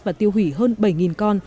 và tiêu hủy hơn bảy con